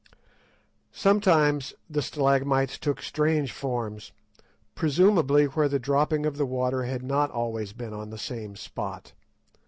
Sometimes the stalagmites took strange forms, presumably where the dropping of the water had not always been on the same spot.